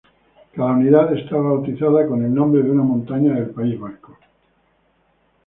Cada unidad está bautizada con el nombre de una montaña del País Vasco.